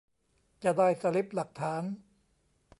จะได้สลิปหลักฐาน